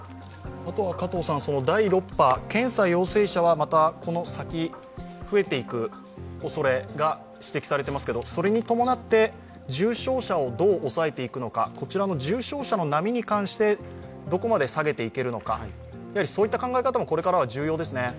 第６波、検査陽性者はこの先増えていくおそれも指摘されていますけど、それに伴って重症者をどうおさえていくのかこちらの重症者の波に関してどこまで下げていけるのか、そういった考え方もこれからは重要ですね？